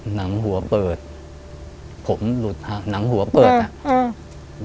หนังหัวเปิดผมหลุดฮะหนังหัวเปิดอ่ะอ่า